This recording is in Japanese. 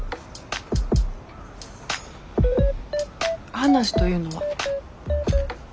話というのは？